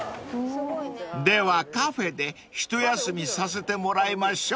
［ではカフェで一休みさせてもらいましょう］